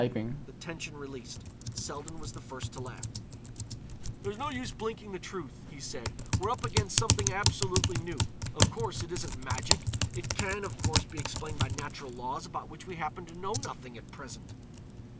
The tension released, Selden was the first to laugh. "There's no use blinking the truth," he said; "we're up against something absolutely new. Of course, it isn't magic. It can, of course, be explained by natural laws about which we happen to know nothing at present."